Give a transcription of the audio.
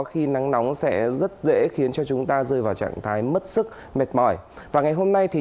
khi nắng nóng sẽ rất dễ khiến cho chúng ta rơi vào trạng thái mất sức mệt mỏi và ngày hôm nay thì